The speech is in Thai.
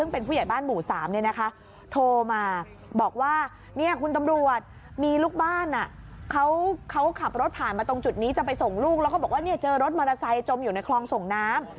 ไปส่งลูกแล้วเขาบอกว่าเจอรถมอเตอร์ไซต์จมอยู่ในคลองส่งน้ำ